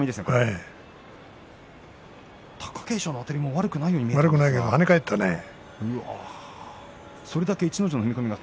貴景勝のあたりも悪くないように見えますが。